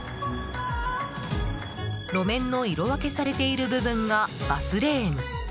路面の色分けされている部分がバスレーン。